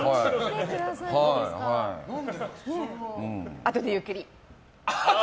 あとでゆっくり。